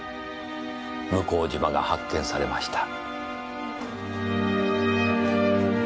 向島が発見されました。